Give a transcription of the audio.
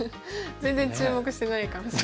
全然注目してないかもしれない。